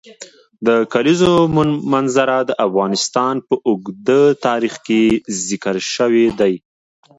د کلیزو منظره د افغانستان په اوږده تاریخ کې ذکر شوی دی.